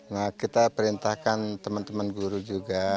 nah kita perintahkan teman teman guru juga